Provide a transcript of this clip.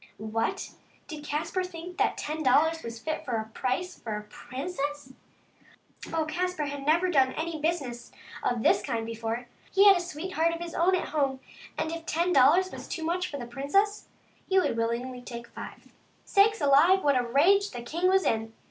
What ! did Caspar think that ten dollars was a fit price for a princess ! Oh, Caspar had never done any business of this kind before. He had a sweetheart of his own at home, and if ten dollars was too much for the princess he would be willing to take five. Sakes alive ! what a rage the king was in